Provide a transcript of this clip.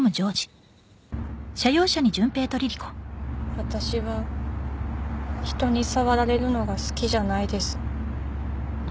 私は人に触られるのが好きじゃないですあ